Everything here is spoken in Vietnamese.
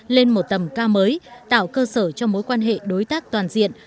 lên một tầm cao mới tạo cơ sở cho mối quan hệ đối tác toàn diện